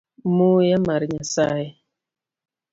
Muya mar nyasaye.